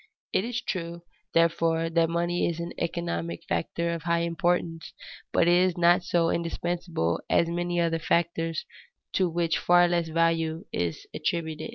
It is true, therefore, that money is an economic factor of high importance, but it is not so indispensable as many other factors to which far less value is attributed.